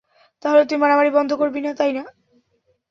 তাহলে তুই মারামারি বন্ধ করবি না, তাই না?